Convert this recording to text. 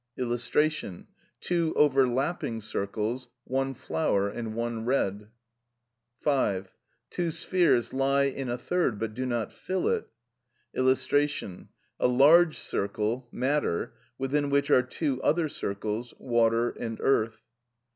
[Illustration: Two overlapping circles, one "flower" and one "red".] (5.) Two spheres lie in a third, but do not fill it. [Illustration: A large circle, "matter", within which are two other circles, "water" and "earth".